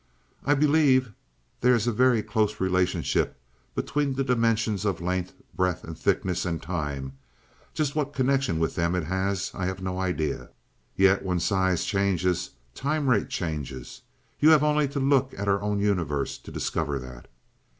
"I believe there is a very close relationship between the dimensions of length, breadth, and thickness, and time. Just what connection with them it has, I have no idea. Yet, when size changes, time rate changes; you have only to look at our own universe to discover that."